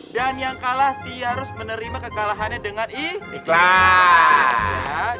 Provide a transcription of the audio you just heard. dan yang kalah dia harus menerima kekalahannya dengan iklan